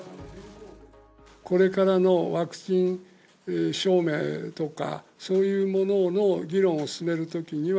これからのワクチン証明とか、そういうものの議論を進めるときには、